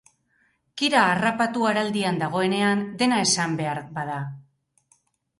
Kira harrapatu araldian dagoenean, dena esan behar bada.